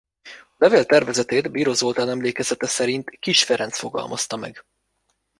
A levél tervezetét Bíró Zoltán emlékezete szerint Kiss Ferenc fogalmazta meg.